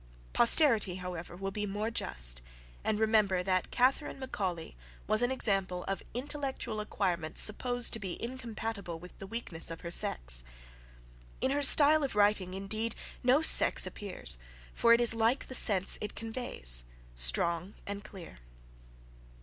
Posterity, however, will be more just; and remember that Catharine Macaulay was an example of intellectual acquirements supposed to be incompatible with the weakness of her sex. In her style of writing, indeed, no sex appears, for it is like the sense it conveys, strong and clear.